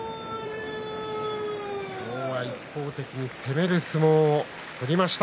今日は一方的に攻める相撲を取りました